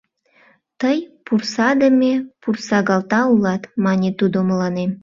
«Тый пурсадыме пурсагалта улат», — мане тудо мыланем.